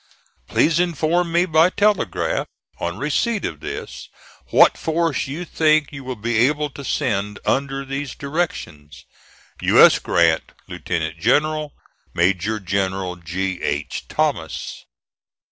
"Please inform me by telegraph, on receipt of this, what force you think you will be able to send under these directions. "U. S. GRANT, Lieutenant General. "MAJOR GENERAL G. H. THOMAS."